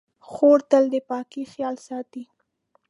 خور تل د پاکۍ خیال ساتي.